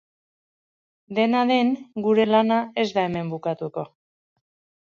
Dena den, gure lana ez da hemen bukatuko.